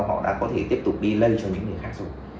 họ đã có thể tiếp tục đi lân cho những người khác rồi